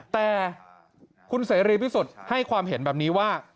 แต่คุณเสรีพิสุทธิ์ให้ความเห็นแบบนี้ว่า